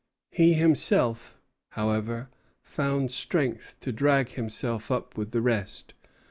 He himself, however, found strength to drag himself up with the rest.